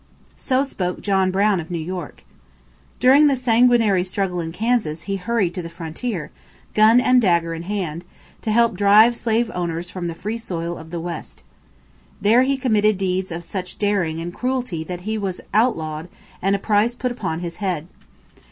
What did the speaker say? So spoke John Brown of New York. During the sanguinary struggle in Kansas he hurried to the frontier, gun and dagger in hand, to help drive slave owners from the free soil of the West. There he committed deeds of such daring and cruelty that he was outlawed and a price put upon his head.